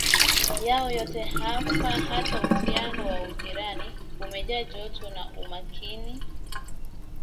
yao yote Hapa hata uhusiano wa ujirani umejaa joto na umakini